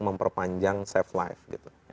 memperpanjang safe life